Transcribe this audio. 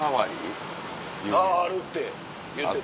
あぁあるって言ってた。